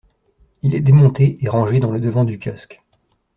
Il est démonté et rangé dans le devant du kiosque.